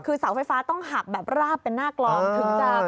คือเสาไฟฟ้าต้องหักแบบราบเป็นหน้ากลองถึงจะ